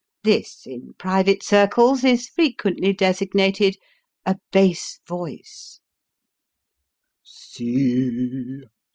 This, in private circles, is frequently designated "a bass voice."